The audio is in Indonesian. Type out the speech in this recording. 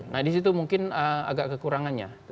nah disitu mungkin agak kekurangannya